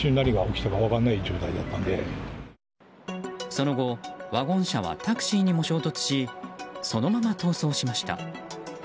その後、ワゴン車はタクシーにも衝突しそのまま逃走しました。